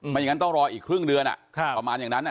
อย่างนั้นต้องรออีกครึ่งเดือนประมาณอย่างนั้น